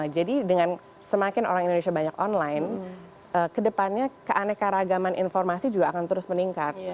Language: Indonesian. jadi dengan semakin orang indonesia banyak online ke depannya keanekaragaman informasi juga akan terus meningkat